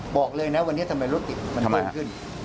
บอกเลยนะวันนี้ทำไมรถติดมันเพิ่มขึ้น